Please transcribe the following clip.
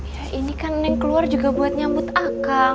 ya ini kan neng keluar juga buat nyambut akam